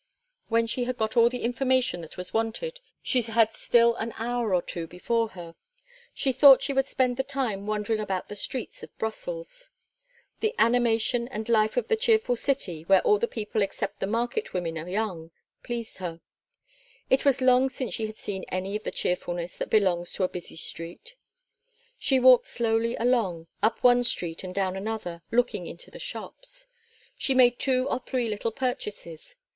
When she had got all the information that was wanted she had still an hour or two before her. She thought she would spend the time wandering about the streets of Brussels. The animation and life of the cheerful city where all the people except the market women are young pleased her. It was long since she had seen any of the cheerfulness that belongs to a busy street. She walked slowly along, up one street and down another, looking into the shops. She made two or three little purchases.